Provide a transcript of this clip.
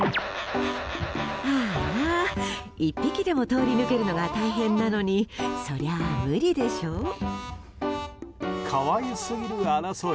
あーあー、１匹でも通り抜けるのが大変なのにそりゃあ、無理でしょう。